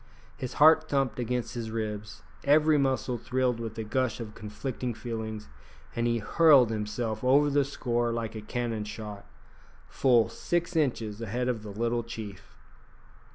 His heart thumped against his ribs, every muscle thrilled with a gush of conflicting feelings, and he hurled himself over the score like a cannon shot, full six inches ahead of the little chief!